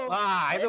nah itu kan